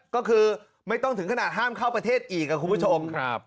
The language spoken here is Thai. ก็คือไม่ต้องถึงขนาดห้ามเข้าประเทศอีกครับคุณผู้ชม